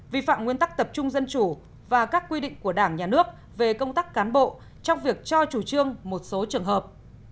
vi phạm nguyên tắc tập trung dân chủ và các quy định của đảng nhà nước về công tác cán bộ trong việc cho chủ trương một số trường hợp